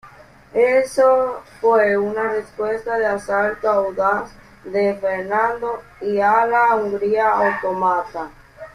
Esto fue en respuesta al asalto audaz de Fernando I a la Hungría otomana.